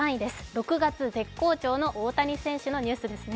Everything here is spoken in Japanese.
６月絶好調の大谷選手のニュースですね。